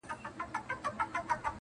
پلار د شپې بې خوبه وي